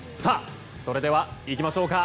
それでは行きましょうか。